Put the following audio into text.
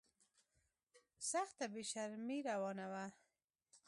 سخته بې شرمي روانه وه.